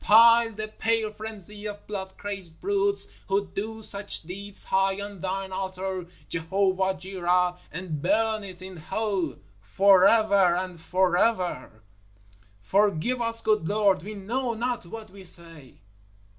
Pile the pale frenzy of blood crazed brutes who do such deeds high on Thine altar, Jehovah Jireh, and burn it in hell forever and forever! _Forgive us, good Lord; we know not what we say!